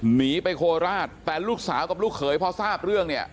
หนีไปโคราชแต่ลูกสาวกับลูกเขยพอทราบเรื่องเนี่ย